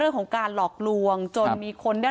เอาเป็นว่าอ้าวแล้วท่านรู้จักแม่ชีที่ห่มผ้าสีแดงไหม